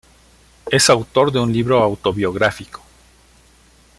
Es autor de un libro autobiográfico.